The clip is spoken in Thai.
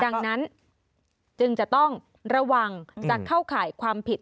ดังนั้นจึงจะต้องระวังจะเข้าข่ายความผิด